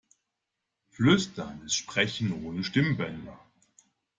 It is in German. Flüstern ist Sprechen ohne Stimmbänder.